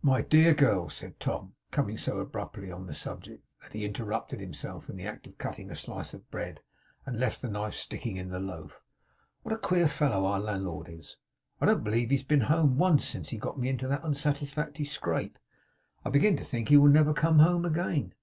'My dear girl,' said Tom, coming so abruptly on the subject, that he interrupted himself in the act of cutting a slice of bread, and left the knife sticking in the loaf, 'what a queer fellow our landlord is! I don't believe he has been home once since he got me into that unsatisfactory scrape. I begin to think he will never come home again.